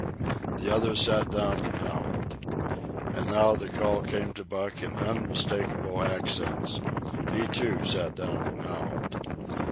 The others sat down and howled. And now the call came to Buck in unmistakable accents. He, too, sat down and howled.